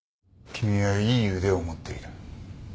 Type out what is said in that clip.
君はいい腕を持っている。